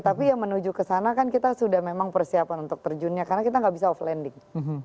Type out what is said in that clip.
di sana kan kita sudah memang persiapan untuk terjunnya karena kita tidak bisa off landing